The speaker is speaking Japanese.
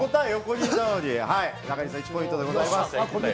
中西さん、１ポイントでございます。